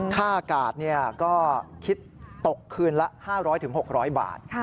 ค่าอากาศก็คิดตกคืนละ๕๐๐๖๐๐บาท